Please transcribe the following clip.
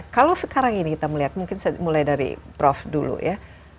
kalau sekarang ini kita melihat mungkin saya mulai dari prof dulu ya